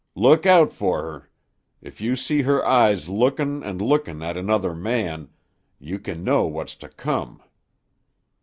"Look out fer her. If you see her eyes lookin' an' lookin' at another man, you kin know what's to come."